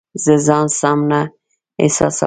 زه ځان سم نه احساسوم